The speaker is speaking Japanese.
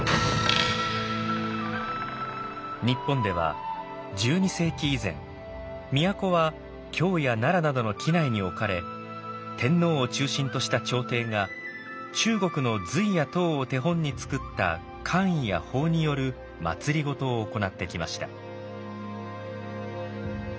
日本では１２世紀以前都は京や奈良などの畿内に置かれ天皇を中心とした朝廷が中国の隋や唐を手本に作った官位や法による政を行ってきました。